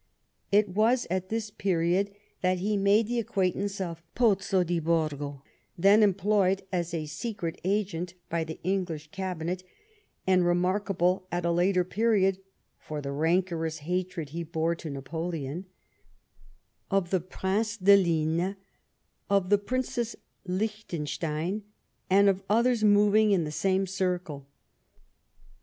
It was at this period that he made the acquaintance of Pozzo di Borgo, then employed as a secret agent by the English Cabinet, and remarkable at a later time for the rancorous hatred he bore to Napoleon ; of the Prince de Ligne ; of the Princess Liechtenstein ; and of others moving in the same circle.